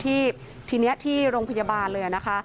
สีความชีวิตอยู่ที่ร่วงพยาบาลเลยนะคะ